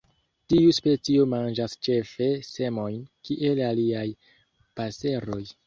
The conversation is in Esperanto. Tiu specio manĝas ĉefe semojn, kiel aliaj paseroj.